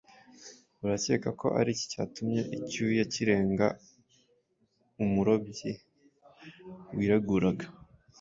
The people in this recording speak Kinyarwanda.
Urakeka ko ari iki cyatumye icyuya kirenga umurobyi wireguraga?